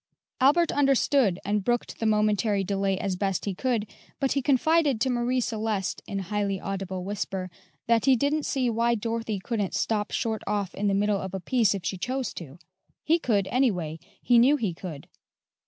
Albert understood, and brooked the momentary delay as best he could, but he confided to Marie Celeste, in highly audible whisper, that he didn't see why Dorothy couldn't stop short off in the middle of a piece if she chose to: he could, anyway he knew he could.